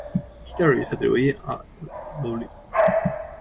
Hilaire, se atribuye a Lully.